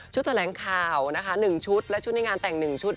ชุดแสงเท่าแรงขาวนะคะหนึ่งชุดและชุดในงานแต่งหนึ่งชุด